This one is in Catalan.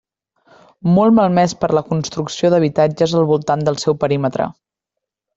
Molt malmès per la construcció d'habitatges al voltant del seu perímetre.